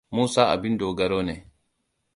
Musa abin dogaro ne.